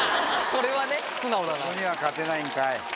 そこには勝てないんかい。